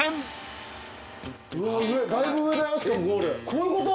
こういうこと？